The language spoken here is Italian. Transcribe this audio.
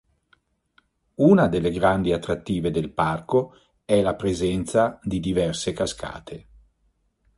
Una delle grandi attrattive del parco è la presenza di diverse cascate.